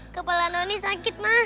kepala noni sakit ma